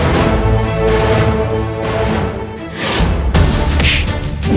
saya tidak mau